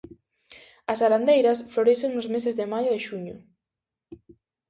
As arandeiras florecen nos meses de maio e xuño.